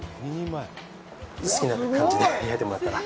好きな感じで焼いてもらったら。